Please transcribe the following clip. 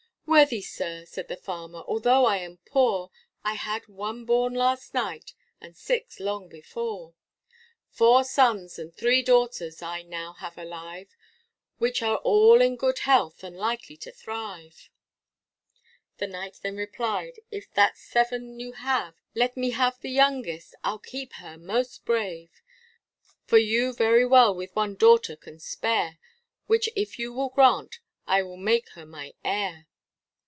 Worthy sir, said the farmer, although I am poor, I had one born last night, and six long before; Four sons and three daughters I now have alive, Which are all in good health and likely to thrive. The Knight then replied if that seven you have, Let me have the youngest, I'll keep her most brave, For you very well with one daughter can spare, Which if you will grant, I will make her my heir.